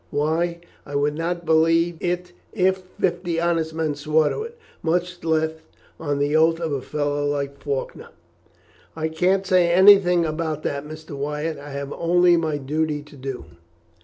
Why, I would not believe it if fifty honest men swore to it, much less on the oath of a fellow like Faulkner." "I can't say anything about that, Mr. Wyatt; I have only my duty to do."